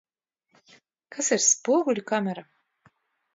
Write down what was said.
Kas ir spoguļkamera?